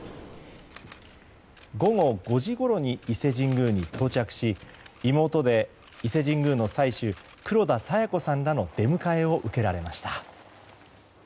午後５時ごろに伊勢神宮に到着し妹で伊勢神宮の祭主黒田清子さんの出迎えを受けられました。